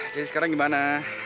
jadi sekarang gimana